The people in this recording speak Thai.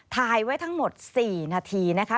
ถ่ายไว้ทั้งหมด๔นาทีนะคะ